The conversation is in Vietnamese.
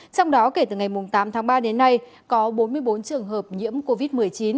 trong đó kể từ ngày tám tháng ba đến nay có bốn mươi bốn trường hợp nhiễm covid một mươi chín